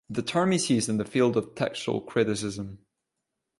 The term is used in the field of textual criticism.